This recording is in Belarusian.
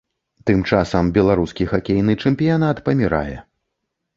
Тым часам, беларускі хакейны чэмпіянат памірае.